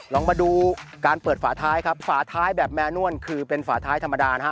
ลองมาดูการเปิดฝาท้ายครับฝาท้ายแบบแมนวลคือเป็นฝาท้ายธรรมดานะฮะ